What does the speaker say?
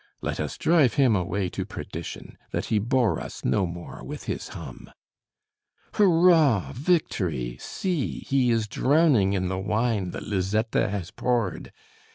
Let us drive him away to perdition, That he bore us no more with his hum. Hurrah, Victory! See, he is drowning In the wine that Lizzetta has poured.